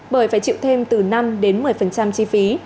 bởi phải chịu thêm từ năm đến một mươi chi phí